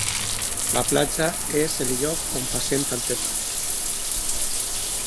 La platja és el lloc on passem tantes hores.